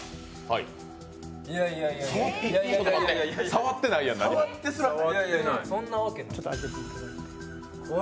触ってないやん、何も。